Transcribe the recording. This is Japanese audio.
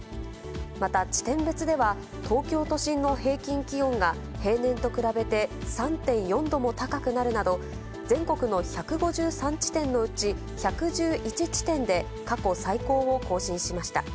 また地点別では、東京都心の平均気温が平年と比べて３．４度も高くなるなど、全国の１５３地点のうち、１１１地点で過去最高を更新しました。